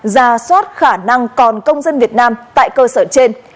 ra soát khả năng còn công dân việt nam tại cơ sở trên